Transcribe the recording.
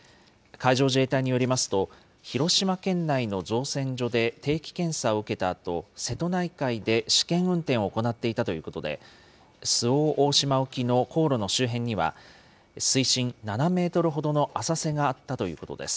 海上自衛隊によりますと、広島県内の造船所で定期検査を受けたあと、瀬戸内海で試験運転を行っていたということで、周防大島沖の航路の周辺には、水深７メートルほどの浅瀬があったということです。